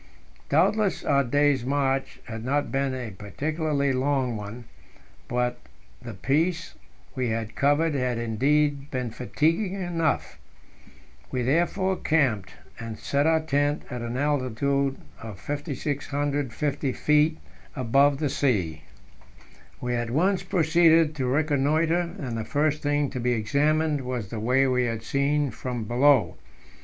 Doubtless, our day's march had not been a particularly long one, but the piece we had covered had indeed been fatiguing enough. We therefore camped, and set our tent at an altitude of 5,650 feet above the sea. We at once proceeded to reconnoitre, and the first thing to be examined was the way we had seen from below.